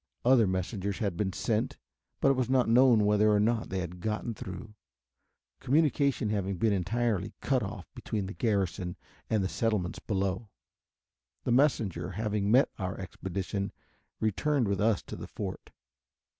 Other messengers had been sent but it was not known whether or not they had gotten through, communication having been entirely cut off between that garrison and the settlements below. The messenger, having met our expedition, returned with us to the fort.